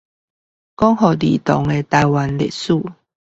說給兒童的臺灣歷史